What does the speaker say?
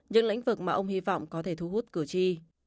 những lĩnh vực mà ông hy vọng có thể thu hút cử tri